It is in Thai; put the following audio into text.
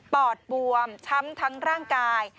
อดบวมช้ำทั้งร่างกาย